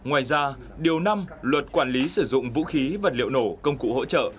ngoài ra điều năm luật quản lý sử dụng vũ khí vật liệu nổ công cụ hỗ trợ